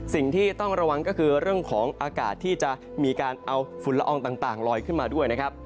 สิ่งที่ต้องระวังก็คือเรื่องของอากาศที่จะมีการเอาฝุ่นละอองต่างลอยขึ้นมาด้วยนะครับ